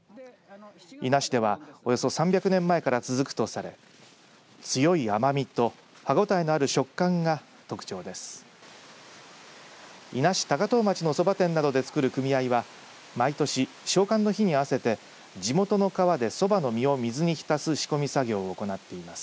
伊那市ではおよそ３００年前から続くとされ強い甘みと歯応えのある食感が特徴です。